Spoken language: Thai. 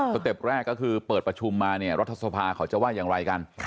เต็ปแรกก็คือเปิดประชุมมาเนี่ยรัฐสภาเขาจะว่าอย่างไรกัน